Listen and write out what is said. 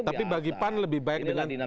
tapi bagi pan lebih baik dengan